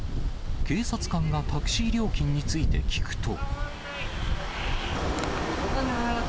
警察官がタクシー料金について聴くと。